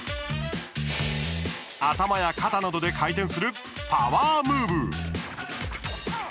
頭や肩などで回転するパワームーブ。